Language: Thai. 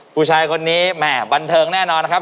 ผู้ชายคนนี้แหม่บันเทิงแน่นอนนะครับ